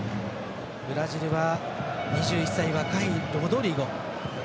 ブラジルは２１歳、若いロドリゴ。